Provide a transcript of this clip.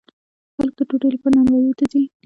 خلک د ډوډۍ لپاره نانواییو ته ځي.